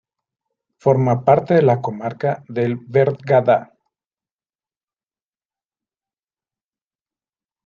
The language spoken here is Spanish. Forma parte de la comarca del Bergadá.